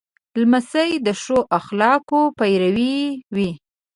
لمسی د ښو اخلاقو پیرو وي.